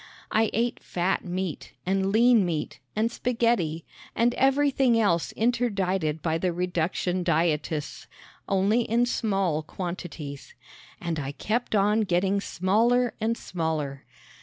I ate fat meat and lean meat and spaghetti, and everything else interdicted by the reduction dietists only in small quantities! And I kept on getting smaller and smaller.